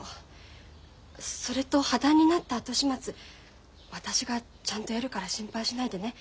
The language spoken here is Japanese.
それと破談になった後始末私がちゃんとやるから心配しないでね。